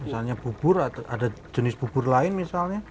misalnya bubur atau ada jenis bubur lain misalnya